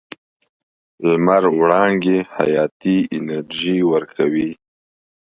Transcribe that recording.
لمر وړانګې حیاتي انرژي ورکوي.